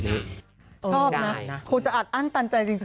ชอบนะคงจะอัดอั้นตันใจจริง